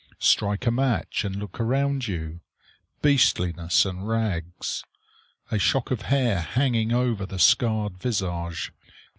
Strike a match and look around you. Beastliness and rags! A shock of hair hanging over the scarred visage.